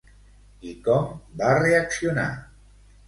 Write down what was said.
I com va reaccionar?